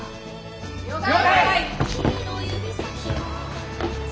了解！